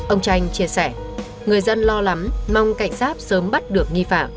ông tranh chia sẻ người dân lo lắm mong cảnh giác sớm bắt được nghi phạm